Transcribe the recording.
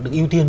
được ưu tiên